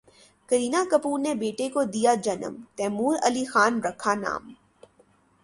کرینہ کپور نے بیٹے کو دیا جنم، تیمور علی خان رکھا نام